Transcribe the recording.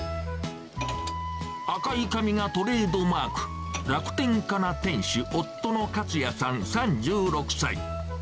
赤い髪がトレードマーク、楽天家の店主、夫の勝也さん３６歳。